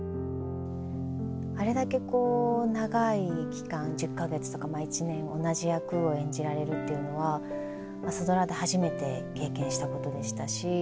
あれだけこう長い期間１０か月とかまあ１年同じ役を演じられるっていうのは「朝ドラ」で初めて経験したことでしたし。